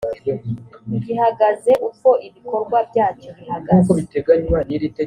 gihagaze uko ibikorwa byacyo bihagaze